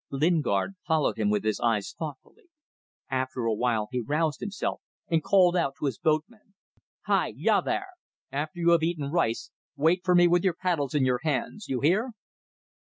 Lingard followed him with his eyes thoughtfully. After awhile he roused himself and called out to his boatmen "Hai ya there! After you have eaten rice, wait for me with your paddles in your hands. You hear?"